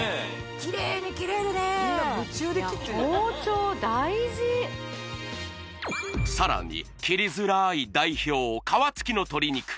キレイに切れるね包丁大事さらに切りづらい代表皮付きの鶏肉！